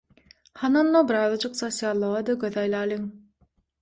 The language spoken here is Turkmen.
Hany onda birazajyk sosiallyga-da göz aýlalyň.